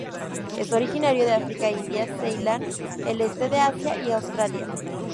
Es originario de África, India, Ceilán, el este de Asia y Australia.